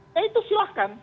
ya itu silahkan